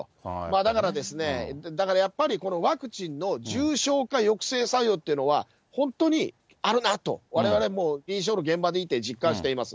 だからですね、だからやっぱり、ワクチンの重症化抑制作用ってのは、本当にあるなと、われわれもう、臨床の現場で見て実感しています。